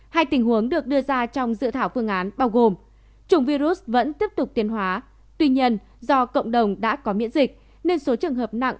hai tình huống được đưa ra trong dự thảo phương án bao gồm chủng virus vẫn tiếp tục tiến hóa tuy nhiên do cộng đồng đã có miễn dịch nên số trường hợp nặng